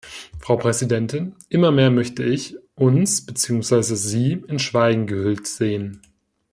Frau Präsidentin, immer mehr möchte ich uns bzw. Sie in Schweigen gehüllt sehen.